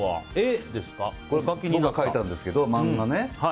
僕が描いたんですけど、漫画ね。